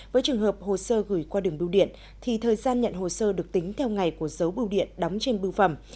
với trường hợp hồ sơ gửi qua đường bưu điện thì thời gian nhận hồ sơ được tính theo ngày của dấu bưu điện đóng trên bưu phẩm